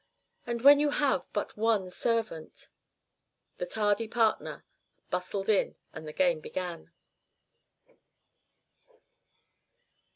"And when you have but one servant " The tardy partner bustled in and the game began.